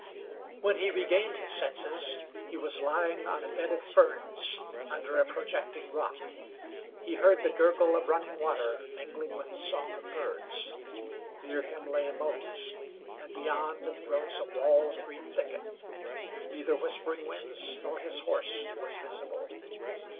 When he regained his senses he was lying on a bed of ferns under a projecting rock. He heard the gurgle of running water mingling with the song of birds. Near him lay Mose, and beyond rose a wall of green thicket. Neither Whispering Winds nor his horse was visible.